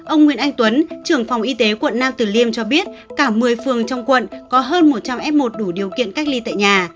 ông nguyễn anh tuấn trưởng phòng y tế quận nam tử liêm cho biết cả một mươi phường trong quận có hơn một trăm linh f một đủ điều kiện cách ly tại nhà